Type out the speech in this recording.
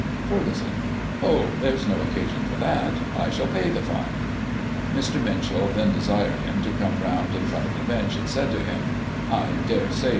Ferguson: Oh, there's no occasion for that; I shall pay the fine. Mr. Minshull then desired him to come round in front of the bench, and said to him :" I dare say.